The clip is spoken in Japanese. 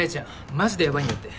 マジでヤバいんだって。